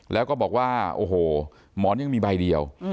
แล้วก็บอกว่าโอ้โหหมอนยังมีใบเดียว